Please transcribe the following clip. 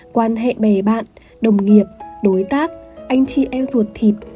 quan hệ bè bạn đồng nghiệp đối tác anh chị em ruột thịt